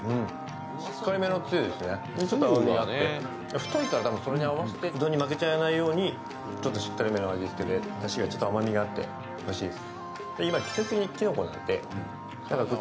太いからそれに合わせて、うどんに負けちゃわないようにしっかり目の味にしててだしに甘みがあっておいしいです。